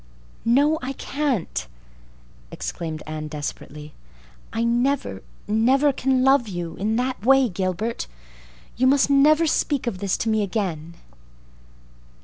"No, I can't," exclaimed Anne desperately. "I never, never can love you—in that way—Gilbert. You must never speak of this to me again."